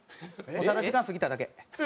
「ただ時間過ぎただけ」。